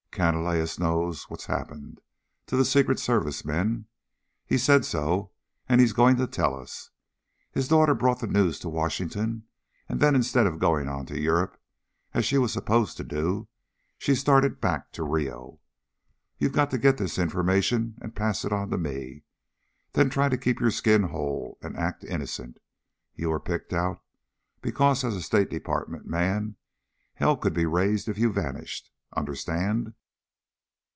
Canalejas knows what's happened to the Service men. He said so, and he's going to tell us. His daughter brought the news to Washington, and then instead of going on to Europe as she was supposed to do, she started back to Rio. You're to get this formation and pass it on to me, then try to keep your skin whole and act innocent. You were picked out because, as a State Department man, hell could be raised if you vanished. Understand?"